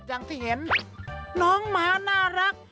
สวัสดีครับ